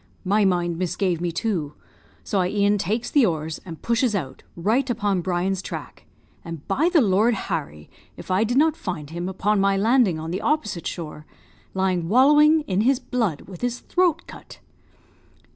"My mind misgave me, too, so I e'en takes the oars, and pushes out, right upon Brian's track; and, by the Lord Harry! if I did not find him, upon my landing on the opposite shore, lying wallowing in his blood with his throat cut.